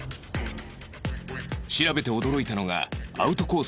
調べて驚いたのがアウトコース